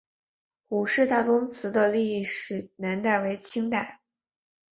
伍氏大宗祠的历史年代为清代。